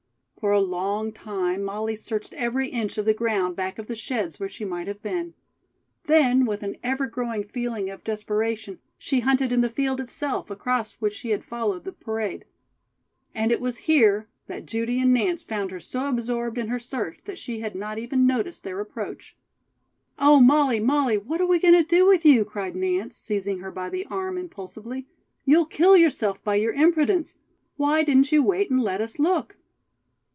For a long time Molly searched every inch of the ground back of the sheds where she might have been. Then, with an ever growing feeling of desperation, she hunted in the field itself, across which she had followed the parade. And it was here that Judy and Nance found her so absorbed in her search that she had not even noticed their approach. "Oh, Molly, Molly! what are we going to do with you?" cried Nance, seizing her by the arm impulsively. "You'll kill yourself by your imprudence. Why didn't you wait and let us look?"